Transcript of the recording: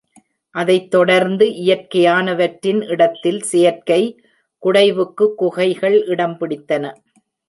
அதைத் தொடர்ந்து, இயற்கையானவற்றின் இடத்தில் செயற்கை குடைவுக் குகைகள் இடம் பிடித்தன.